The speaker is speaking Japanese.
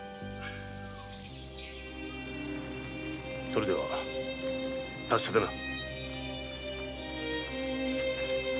それでは達者でな。